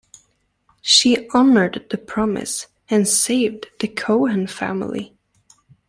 She honoured the promise and saved the Cohen family.